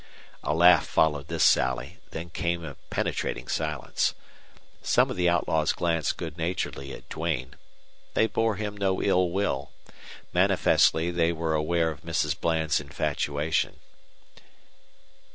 A laugh followed this sally; then came a penetrating silence. Some of the outlaws glanced good naturedly at Duane. They bore him no ill will. Manifestly they were aware of Mrs. Bland's infatuation.